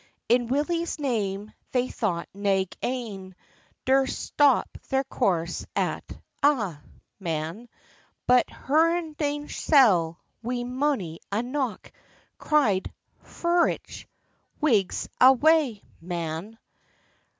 In Willie's name, they thought nag ane Durst stop their course at a', man, But hur nane sell, wi mony a knock, Cry'd, "Furich—Whigs awa'," man.